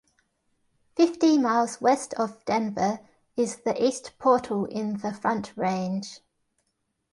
Fifty miles west of Denver is the East Portal in the Front Range.